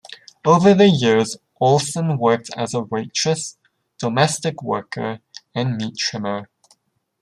Over the years Olsen worked as a waitress, domestic worker, and meat trimmer.